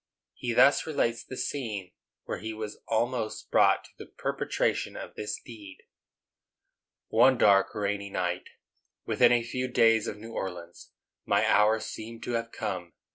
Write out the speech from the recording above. He thus relates the scene where he was almost brought to the perpetration of this deed: One dark, rainy night, within a few days of New Orleans, my hour seemed to have come.